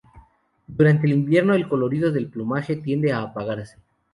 Durante el invierno el colorido del plumaje tiende a apagarse.